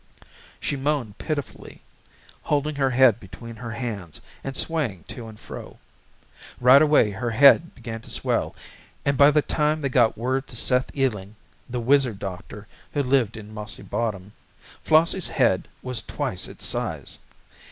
She moaned pitifully, holding her head between her hands and swaying to and fro. Right away her head began to swell and by the time they got word to Seth Eeling, the wizard doctor who lived in Mossy Bottom, Flossie's head was twice its size.